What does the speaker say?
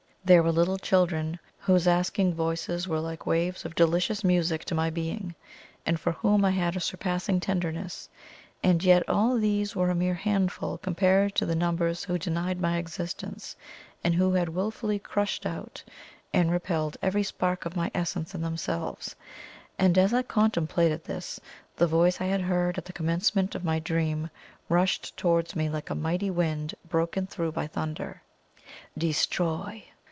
There were little children, whose asking voices were like waves of delicious music to my being, and for whom I had a surpassing tenderness. And yet all these were a mere handful compared to the numbers who denied my existence, and who had wilfully crushed out and repelled every spark of my essence in themselves. And as I contemplated this, the voice I had heard at the commencement of my dream rushed towards me like a mighty wind broken through by thunder: "DESTROY!"